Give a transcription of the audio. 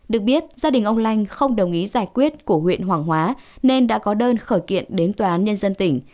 được biết gia đình ông lanh không đồng ý giải quyết của huyện hoàng hóa nên đã có đơn khởi kiện đến tòa án nhân dân tỉnh